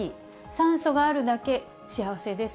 酸素があるだけ幸せです。